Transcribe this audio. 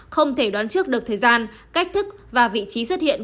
không thể đoán trước được thời gian cách thức và vị trí xuất hiện